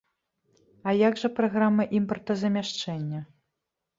А як жа праграма імпартазамяшчэння?